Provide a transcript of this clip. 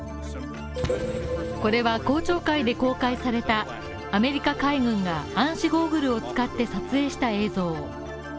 これは、公聴会で公開されたアメリカ海軍が暗視ゴーグルを使って撮影した映像。